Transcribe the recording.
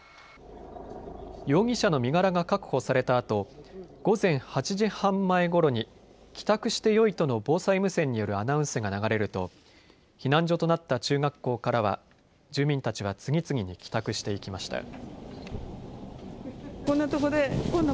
容疑者の身柄が確保されたあと午前８時半前ごろに、帰宅してよいとの防災無線によるアナウンスが流れると避難所となった中学校からは住民たちは次々に帰宅していきました。